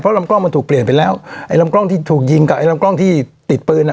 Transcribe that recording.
ลำกล้องมันถูกเปลี่ยนไปแล้วไอ้ลำกล้องที่ถูกยิงกับไอ้ลำกล้องที่ติดปืนอ่ะ